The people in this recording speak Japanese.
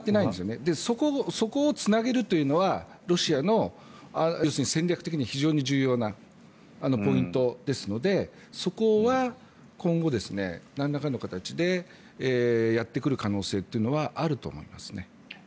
そこをつなげるというのはロシアの戦略的に非常に重要なポイントですのでそこは今後、なんらかの形でやってくる可能性というのはあると思いますね。